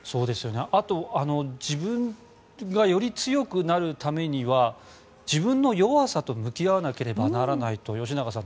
あと自分がより強くなるためには自分の弱さと向き合わなければならないと吉永さん